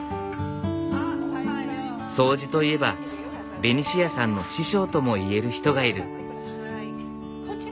掃除といえばベニシアさんの師匠とも言える人がいる。